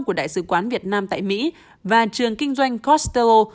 của đại sứ quán việt nam tại mỹ và trường kinh doanh castro